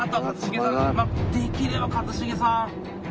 まあできれば一茂さん。